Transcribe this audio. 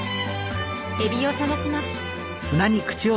エビを探します。